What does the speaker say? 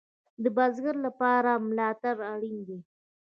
د بزګر لپاره ملاتړ اړین دی